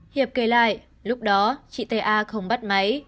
hiệp kể lại lúc đó chị t a không bắt máy